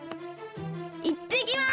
いってきます！